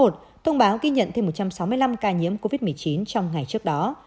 thông báo ghi nhận thêm một trăm sáu mươi năm ca nhiễm covid một mươi chín trong ngày trước đó